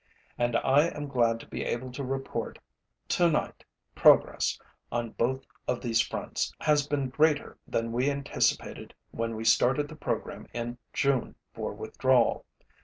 And I am glad to be able to report tonight progress on both of these fronts has been greater than we anticipated when we started the program in June for withdrawal.